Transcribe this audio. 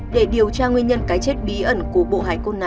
để điều tra nguyên nhân cái chết bí ẩn của bộ hài cốt này